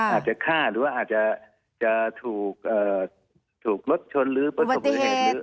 อาจจะฆ่าหรืออาจจะถูกลดชนหรือปฏิเหตุ